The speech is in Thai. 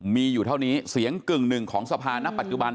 มีอยู่เท่านี้เสียงกึ่งหนึ่งของสภาณปัจจุบัน